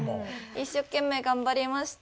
一生懸命頑張りました。